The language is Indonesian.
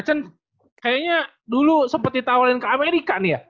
cen kayaknya dulu sempet ditawarin ke amerika nih ya